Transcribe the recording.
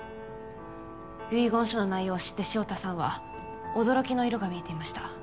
遺言書の内容を知って潮田さんは「驚き」の色が見えていました。